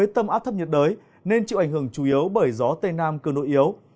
tâm áp thấp nhiệt đới nên chịu ảnh hưởng chủ yếu bởi gió tây nam cơ nội yếu